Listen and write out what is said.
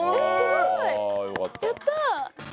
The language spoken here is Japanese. やったー